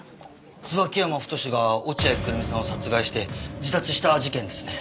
椿山太が落合久瑠実さんを殺害して自殺した事件ですね？